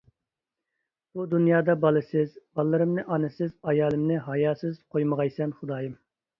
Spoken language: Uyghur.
بۇ دۇنيادا بالىسىز، باللىرىمنى ئانىسىز، ئايالىمنى ھاياسىز، قويمىغايسەن خۇدايىم.